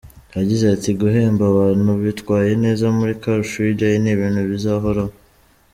Yagize ati “Guhemba abantu bitwaye neza muri Car Free Day ni ibintu bizahoraho.